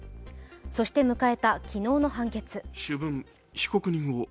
そして迎えた昨日の判決。